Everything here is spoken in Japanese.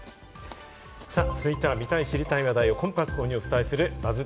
続いては、見たい知りたい話題をコンパクトにお伝えするＢＵＺＺ